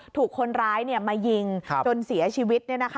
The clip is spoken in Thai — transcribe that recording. ถูกคนร้ายมายิงจนเสียชีวิต